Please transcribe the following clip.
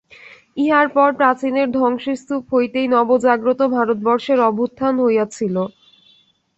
ইহার পর প্রাচীনের ধ্বংসস্তূপ হইতেই নবজাগ্রত ভারতবর্ষের অভ্যুত্থান হইয়াছিল।